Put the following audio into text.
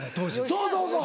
そうそうそう。